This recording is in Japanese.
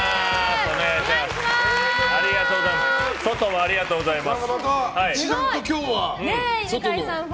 ありがとうございます。